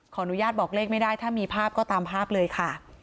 อนุญาตบอกเลขไม่ได้ถ้ามีภาพก็ตามภาพเลยค่ะ